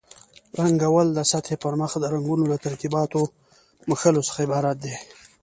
رنګول د سطحې پر مخ د رنګونو له ترکیباتو مښلو څخه عبارت دي.